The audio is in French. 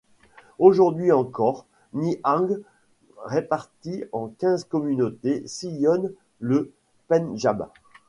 Aujourd'hui encore, Nihangs répartis en quinze communautés sillonnent le Pendjab.